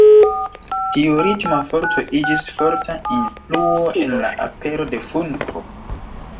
Tiu ritma forto iĝis forta influo en la apero de funko.